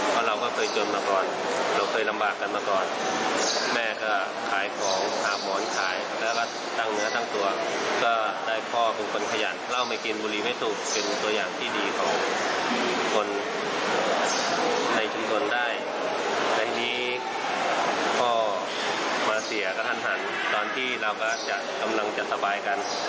คนในชุมกลได้ในนี้พ่อมาเสียกระทั่นตอนที่เรากำลังจะสบายกัน